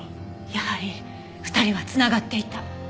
やはり２人は繋がっていた。